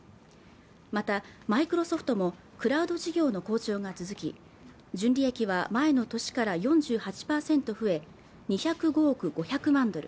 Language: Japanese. またマイクロソフトもクラウド事業の好調が続き純利益は前の年から４８％増え２０５億５００万ドル